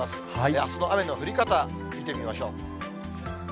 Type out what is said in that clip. あすの雨の降り方、見てみましょう。